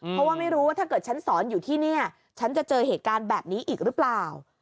เพราะว่าไม่รู้ว่าถ้าเกิดฉันสอนอยู่ที่นี่ฉันจะเจอเหตุการณ์แบบนี้อีกหรือเปล่า